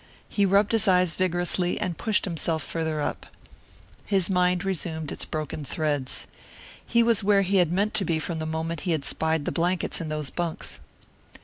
He rubbed his eyes vigorously and pushed himself farther up. His mind resumed its broken threads. He was where he had meant to be from the moment he had spied the blankets in those bunks.